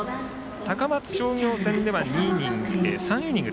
高松商業戦では３イニング。